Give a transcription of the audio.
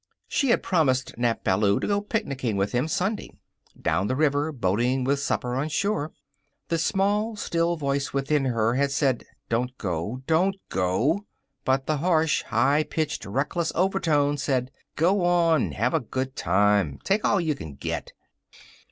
She had promised Nap Ballou to go picknicking with him Sunday. Down the river, boating, with supper on shore. The small, still voice within her had said, "Don't go! Don't go!" But the harsh, high pitched, reckless overtone said, "Go on! Have a good time. Take all you can get."